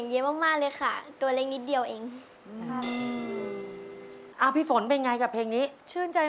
ให้ทราบไว้พอหน้า